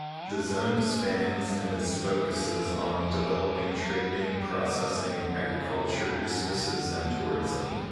The zone spans and is focuses on developing trading, processing, agriculture resources and tourism.